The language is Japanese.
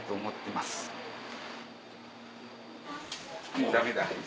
もうダメだ。